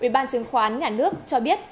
ủy ban chứng khoán nhà nước cho biết